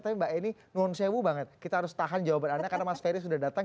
tapi mbak eni ngonsewu banget kita harus tahan jawaban anda karena mas ferry sudah datang